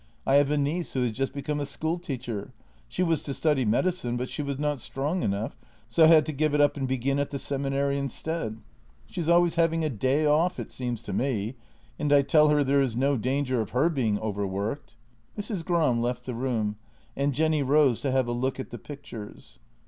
I have a niece who has just become a school teacher — she was to study medicine, but she was not strong enough, so had to give it up and begin at the seminary instead. She is always having a day off, it seems to me, and I tell her there is no danger of her being overworked." Mrs. Gram left the room, and Jenny rose to have a look at the pictures.